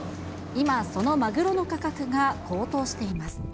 今、そのマグロの価格が高騰しています。